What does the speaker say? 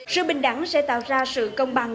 sự bình đẳng sẽ tạo ra sự công bằng